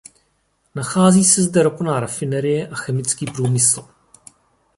Nachází se zde ropná rafinerie a chemický průmysl.